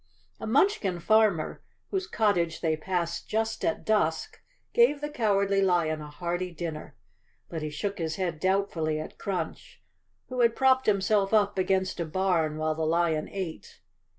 A Munchkin farmer, whose cottage they passed just at dusk, gave the Cowardly Lion a hearty dinner, but he shook his head doubtfully at Crunch, who had propped himself up against a bam while the lion ate.